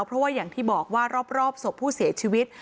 เพราะว่าอย่างที่บอกว่ารอบศพผู้เสียชีวิต